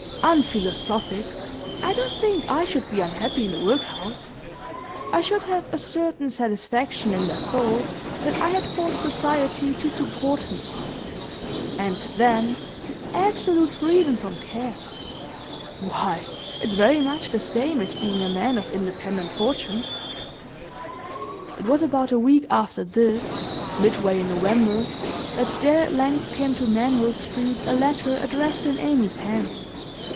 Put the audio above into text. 'Unphilosophic. I don't think I should be unhappy in the workhouse. I should have a certain satisfaction in the thought that I had forced society to support me. And then the absolute freedom from care! Why, it's very much the same as being a man of independent fortune.' It was about a week after this, midway in November, that there at length came to Manville Street a letter addressed in Amy's hand.